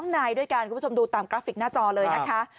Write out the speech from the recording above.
นายด้วยกันคุณผู้ชมดูตามกราฟิกหน้าจอเลยนะคะ